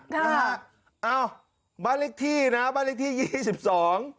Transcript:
ค่ะนะฮะอ้าวบ้านเลขที่นะบ้านเลขที่ยี่สิบสอง